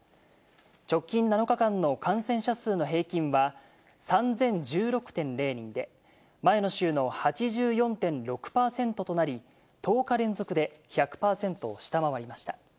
直近７日間の感染者数の平均は３０１６．０人で前の週の８４．６％となり、１０日連続で１００％を下回りました。